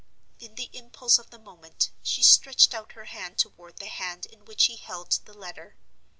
In the impulse of the moment, she stretched out her hand toward the hand in which he held the letter.